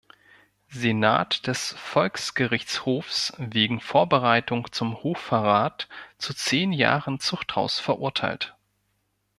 Senat des Volksgerichtshofs wegen „Vorbereitung zum Hochverrat“ zu zehn Jahren Zuchthaus verurteilt.